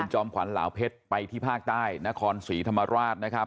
จอมขวัญเหลาเพชรไปที่ภาคใต้นครศรีธรรมราชนะครับ